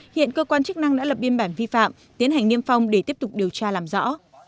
hiện cơ quan chức năng đã lập biên bản vi phạm tiến hành niêm phong để tiếp tục điều tra làm rõ